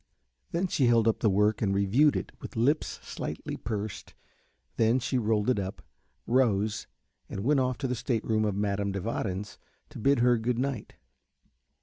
Then she held up the work and reviewed it with lips slightly pursed, then she rolled it up, rose, and went off to the state room of Madame de Warens to bid her good night.